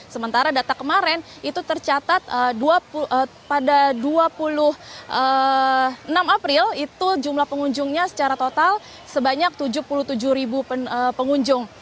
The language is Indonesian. sementara data kemarin itu tercatat pada dua puluh enam april itu jumlah pengunjungnya secara total sebanyak tujuh puluh tujuh pengunjung